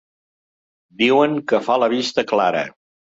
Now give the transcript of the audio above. Diuen que fa la vista clara.